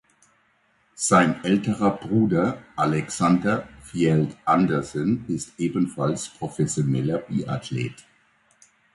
Sein älterer Bruder Aleksander Fjeld Andersen ist ebenfalls professioneller Biathlet.